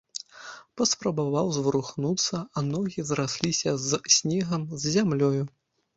Паспрабаваў зварухнуцца, а ногі зрасліся з снегам, з зямлёю.